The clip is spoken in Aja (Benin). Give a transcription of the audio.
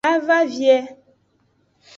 A va vie.